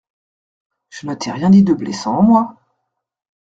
Je ne t'ai rien dit de blessant, moi.